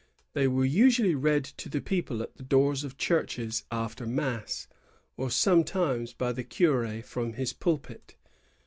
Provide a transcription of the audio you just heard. They were usually read to the people at the doors of churches after mass, or sometimes by the cur^ from his pulpit.